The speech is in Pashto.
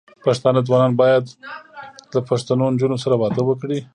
پښتانه ځوانان بايد له پښتنو نجونو سره واده وکړي.